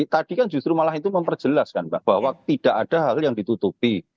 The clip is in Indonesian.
tadi kan justru malah itu memperjelaskan mbak bahwa tidak ada hal yang ditutupi